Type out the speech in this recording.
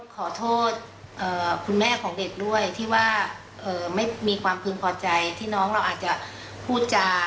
ขอโทษคุณแม่ของเด็กด้วยที่ว่าไม่มีความพึงพอใจที่น้องเราอาจจะพูดจา